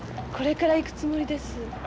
これから行くつもりです。